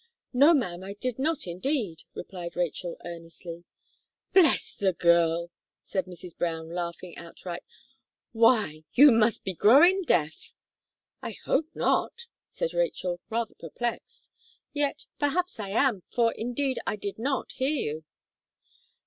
"No, ma'am, I did not, indeed," replied Rachel, earnestly. "Bless the girl!" said Mrs. Brown, laughing outright; "why, you must be growing deaf." "I hope not," said Rachel, rather perplexed; "yet, perhaps, I am; for, indeed, I did not hear you."